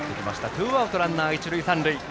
ツーアウトランナー、一塁三塁。